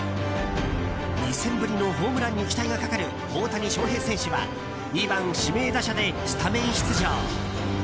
２戦ぶりのホームランに期待がかかる大谷翔平選手は２番指名打者でスタメン出場。